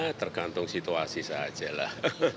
ya tergantung situasi saja lah